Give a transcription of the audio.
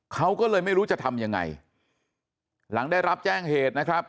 เขาก็เลยไม่รู้จะทำยังไงหลังได้รับแจ้งเหตุนะครับ